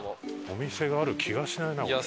お店がある気がしないなこれ。